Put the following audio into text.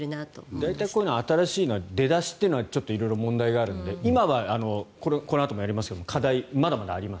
大体こういうのは新しいのは出だしというのは色々問題があるので今は、このあともやりますが課題がまだまだあります。